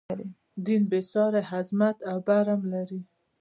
دین بې ساری عظمت او برم لري.